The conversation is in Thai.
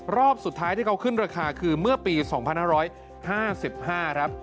รอบสุดท้ายที่เขาขึ้นราคาคือเมื่อปี๒๕๕๕ครับ